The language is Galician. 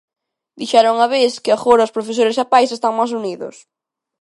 Dixera unha vez que agora os profesores e pais están máis unidos.